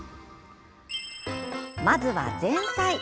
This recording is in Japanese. まずは前菜。